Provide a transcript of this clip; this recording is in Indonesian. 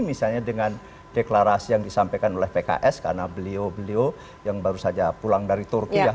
misalnya dengan deklarasi yang disampaikan oleh pks karena beliau beliau yang baru saja pulang dari turki